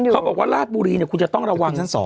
เขาบอกว่าราชบุรีคุณจะต้องระวังชั้น๒